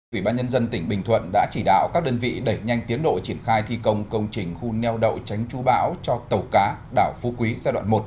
ủy ban nhân dân tỉnh bình thuận đã chỉ đạo các đơn vị đẩy nhanh tiến độ triển khai thi công công trình khu neo đậu tránh chú bão cho tàu cá đảo phú quý giai đoạn một